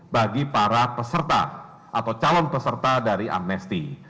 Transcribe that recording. bagi para peserta atau calon peserta dari amnesti